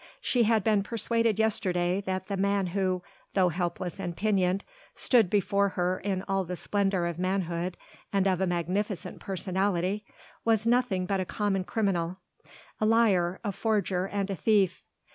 She had been persuaded yesterday that the man who though helpless and pinioned stood before her in all the splendour of manhood and of a magnificent personality was nothing but a common criminal a liar, a forger and a thief.